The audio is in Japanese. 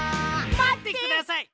まってください！